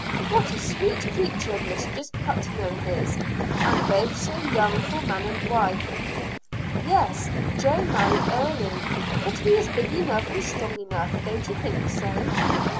"What a sweet creature Mistress Putnam is, and both so young for man and wife." "Yes, Jo married early, but he is big enough and strong enough, don't you think so?"